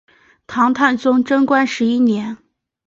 唐太宗贞观十一年。